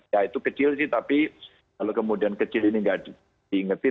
ya itu kecil sih tapi kalau kemudian kecil ini nggak diingetin